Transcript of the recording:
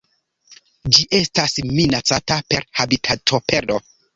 Ĝi estas minacata per habitatoperdo.